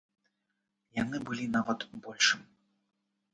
Яны былі нават большым.